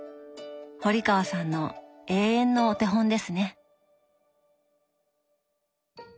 堀川さんの永遠のお手本ですね。